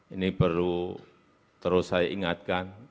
ini perlu terus saya ingatkan